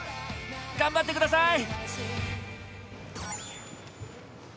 頑張って下さい！